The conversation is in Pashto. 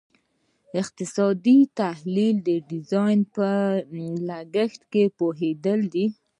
اقتصادي تحلیل د ډیزاین په لګښت پوهیدل دي.